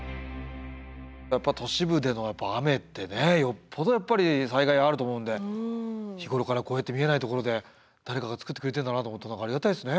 やっぱ都市部での雨ってよっぽどやっぱり災害あると思うんで日頃からこうやって見えないところで誰かがつくってくれてんだなと思うとありがたいですね。